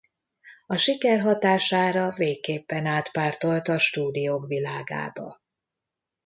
A siker hatására végképpen átpártolt a stúdiók világába.